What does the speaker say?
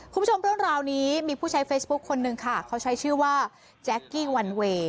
คุณผู้ชมเรื่องราวนี้มีผู้ใช้เฟซบุ๊คคนนึงค่ะเขาใช้ชื่อว่าแจ๊กกี้วันเวย์